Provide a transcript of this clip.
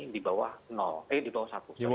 di bawah satu